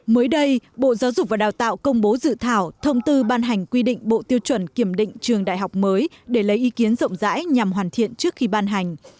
mới đây bộ giáo dục và đào tạo công bố dự thảo thông tư ban hành quy định bộ tiêu chuẩn kiểm định trường đại học mới để lấy ý kiến rộng rãi nhằm hoàn thiện trước khi ban hành